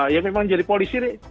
ya memang jadi polisi